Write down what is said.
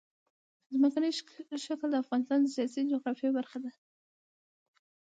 ځمکنی شکل د افغانستان د سیاسي جغرافیه برخه ده.